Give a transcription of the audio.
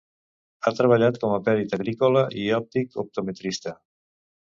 Ha treballat com a perit agrícola i òptic optometrista.